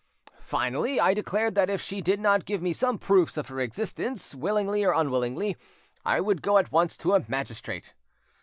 Finally, I declared that if she did not give me some proofs of her existence, willingly or unwillingly, I would go at once to a magistrate.